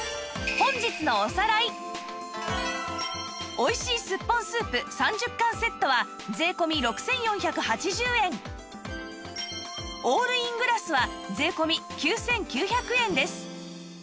美味しいすっぽんスープ３０缶セットは税込６４８０円オールイングラスは税込９９００円です